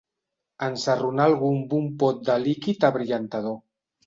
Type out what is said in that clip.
Ensarronar algú amb un pot de líquid abrillantador.